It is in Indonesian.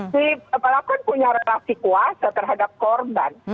si pelaku punya relasi kuasa terhadap korban